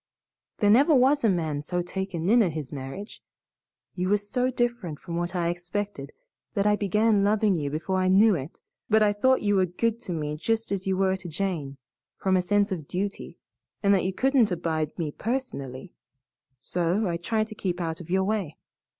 There never was a man so taken in at his marriage. You were so different from what I expected that I began loving you before I knew it, but I thought you were good to me just as you were to Jane from a sense of duty and that you couldn't abide me personally. So I tried to keep out of your way.